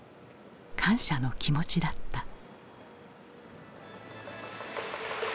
感謝の気持ちだった。